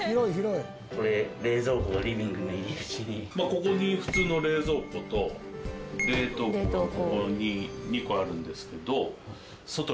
ここに普通の冷蔵庫と冷凍庫がここに２個あるんですけど。